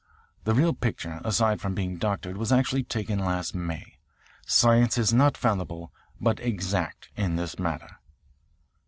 The real picture, aside from being doctored, was actually taken last May. Science is not fallible, but exact in this matter."